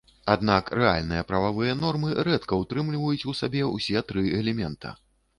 Аднак рэальныя прававыя нормы рэдка ўтрымліваюць у сабе ўсе тры элемента.